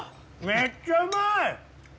めっちゃうまい！